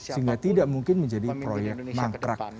sehingga tidak mungkin menjadi proyek mangkrak